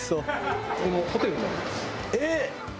えっ！